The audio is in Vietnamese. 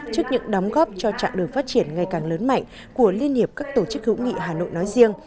trước những đóng góp cho trạng đường phát triển ngày càng lớn mạnh của liên hiệp các tổ chức hữu nghị hà nội nói riêng